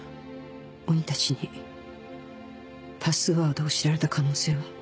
鬼たちにパスワードを知られた可能性は？